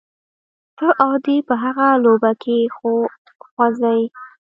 ته او دی په هغه لوبه کي خو خوئ.